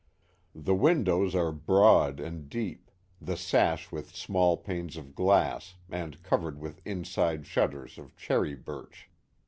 The windows are broad and deep, the sash with small panes of glass, and covered with inside shutters of cherry birch.